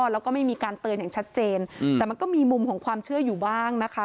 แล้วก็ไม่มีการเตือนอย่างชัดเจนแต่มันก็มีมุมของความเชื่ออยู่บ้างนะคะ